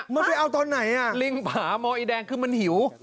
มันไปเอาตอนไหนลิงผามอีแดงคือมันหิว